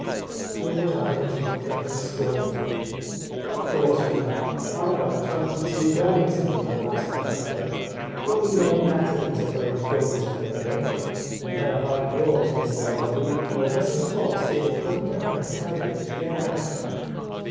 George Adams looked at him scornfully. "Of course we are. I got a 22 Remington for my last birthday. But we know better than to bring guns over here. You better hide yours, Mr. Ivy, or Mrs. Forrester will come down and tell you to get out."